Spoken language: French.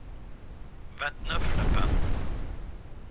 Vingt-neuf lapins.